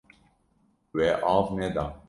Wê av neda.